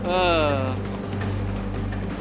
เออ